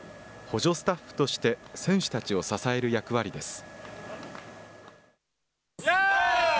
補助スタッフとして、選手たちを支える役割です。